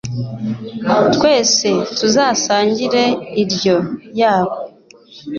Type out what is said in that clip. twese tuzasangire iryo yabo